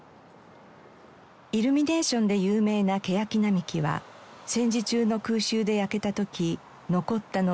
イルミネーションで有名なケヤキ並木は戦時中の空襲で焼けた時残ったのはわずか１３本でした。